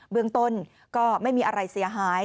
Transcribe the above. เบื้องต้นก็ไม่มีอะไรเสียหาย